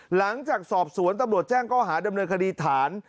หลังจากสอบสวนตำรวจแจ้งก้อหาดำเนินคดีฐาน